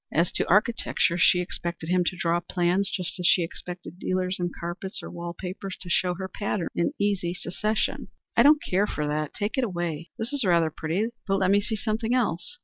As to architecture, she expected him to draw plans just as she expected dealers in carpets or wall papers to show her patterns in easy succession. "I don't care for that; take it away." "That is rather pretty, but let me see something else."